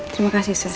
terima kasih sis